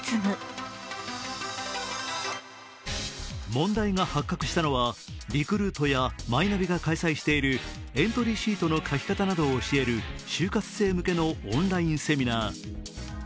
問題が発覚したのはリクルートやマイナビが開催しているエントリーシートの書き方などを教える就活生向けのオンラインセミナー。